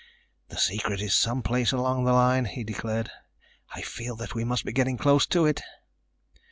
"The secret is some place along the line," he declared. "I feel that we must be getting close to it."